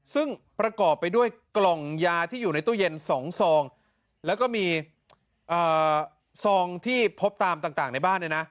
ซึ่งประกอบไปด้วยกล่องยาที่อยู่ในตู้เย็น๒ซองแล้วก็มีซองที่พบตามต่างในบ้านเนี่ยนะ